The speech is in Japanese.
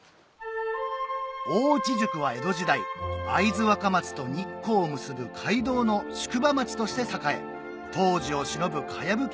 大内宿は江戸時代会津若松と日光を結ぶ街道の宿場町として栄え当時をしのぶかやぶき